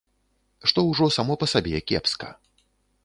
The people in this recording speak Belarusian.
Што ўжо само па сабе кепска.